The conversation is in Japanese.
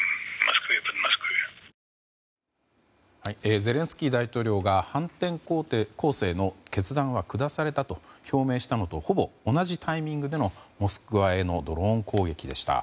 ゼレンスキー大統領が反転攻勢の決断は下されたと表明したのとほぼ同じタイミングでのモスクワへのドローン攻撃でした。